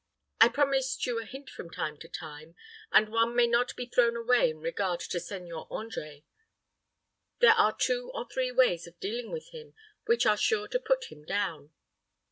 I promised you a hint from time to time, and one may not be thrown away in regard to Seigneur André. There are two or three ways of dealing with him which are sure to put him down.